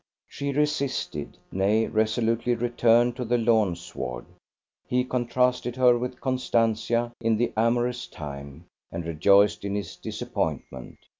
She resisted; nay, resolutely returned to the lawn sward. He contrasted her with Constantia in the amorous time, and rejoiced in his disappointment.